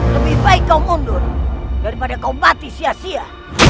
lebih baik kau mundur daripada kaum mati sia sia